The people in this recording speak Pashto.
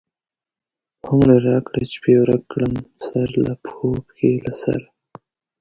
هومره راکړه چی پی ورک کړم، سر له پښو، پښی له سره